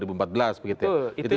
itu yang mengajukan kita